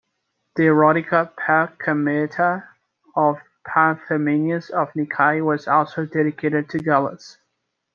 The "Erotica Pathemata" of Parthenius of Nicaea was also dedicated to Gallus.